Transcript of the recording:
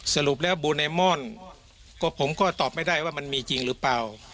สรุปแล้วบูไนมอนผมก็ตอบไม่ได้ว่ามันมีจริงหรือเปล่า